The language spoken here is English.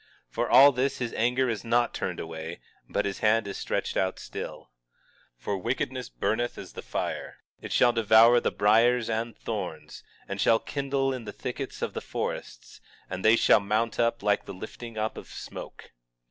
For all this his anger is not turned away, but his hand is stretched out still. 19:18 For wickedness burneth as the fire; it shall devour the briers and thorns, and shall kindle in the thickets of the forests, and they shall mount up like the lifting up of smoke.